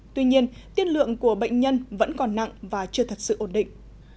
tuy nhiên tiên lượng của bệnh nhân vẫn còn nặng và chưa thật sự ổn định